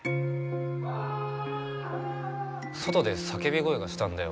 ああっ！外で叫び声がしたんだよ